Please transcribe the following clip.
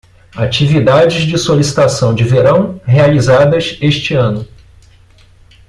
Atividades de solicitação de verão realizadas este ano